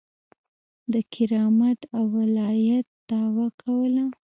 د کرامت او ولایت دعوه کوله.